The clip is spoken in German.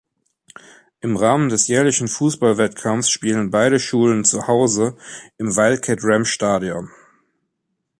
Im Rahmen des jährlichen Fußball-Wettkampfs spielen beide Schulen "zu Hause" im Wildcat-Ram-Stadion.